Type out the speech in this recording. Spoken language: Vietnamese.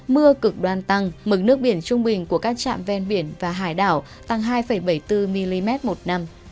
mưa cực đoan tăng mực nước biển trung bình của các trạm ven biển và hải đảo tăng hai bảy mươi bốn mm một năm